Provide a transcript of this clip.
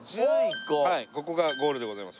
ここがゴールでございます。